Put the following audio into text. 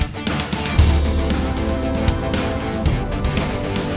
tapi ini sudah monks sentreenin nisma nih ya